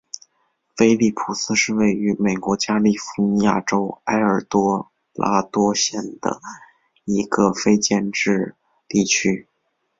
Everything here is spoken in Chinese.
菲利普斯是位于美国加利福尼亚州埃尔多拉多县的一个非建制地区。